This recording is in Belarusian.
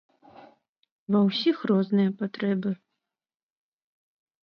Ва ўсіх розныя патрэбы.